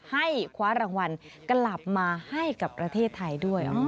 ให้คว้ารางวัลกลับมาให้กับประเทศไทยด้วย